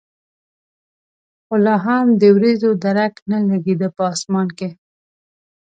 خو لا هم د ورېځو درک نه لګېده په اسمان کې.